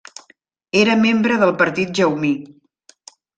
Era membre del partit jaumí.